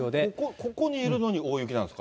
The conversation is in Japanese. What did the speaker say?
ここにいるのに大雪なんですか。